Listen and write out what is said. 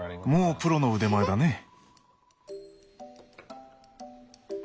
もうプロの腕前だね。